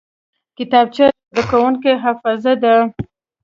کتابچه د زده کوونکي حافظه ده